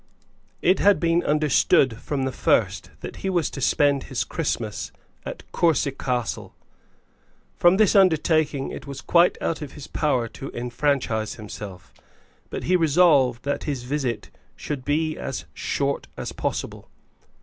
It had been understood from the first that he was to spend his Christmas at Courcy Castle. From this undertaking it was quite out of his power to enfranchise himself: but he resolved that his visit should be as short as possible.